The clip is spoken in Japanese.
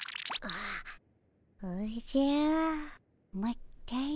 おじゃまったり。